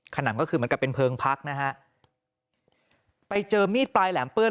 ขนำก็คือเหมือนกับเป็นเพลิงพักนะฮะไปเจอมีดปลายแหลมเปื้อน